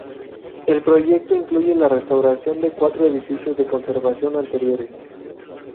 El proyecto incluye la restauración de cuatro edificios de conservación anteriores.